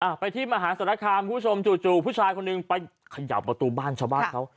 ต่อไปที่มหาสถานการณ์ผู้ชมจู่ผู้ชายคนอื่นพยายามประตูบ้านชาวบ้านเค้า